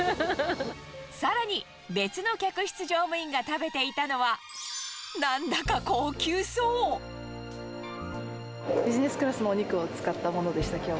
さらに別の客室乗務員が食べていたのは、ビジネスクラスのお肉を使ったものでした、きょうは。